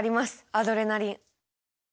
アドレナリン。